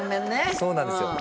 そうなんですよ。